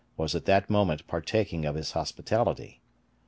was at that moment partaking of his hospitality.